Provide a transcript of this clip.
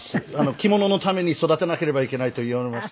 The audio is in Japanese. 着物のために育てなければいけないと言われまして。